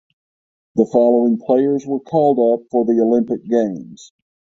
The following players were called up for the Olympic Games.